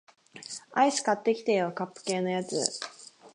アイス買ってきてよ、カップ系のやつ